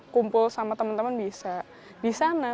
kumpul sama temen temen bisa di sana